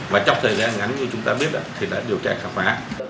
và trong thời gian ngắn như chúng ta biết thì đã điều tra khả phá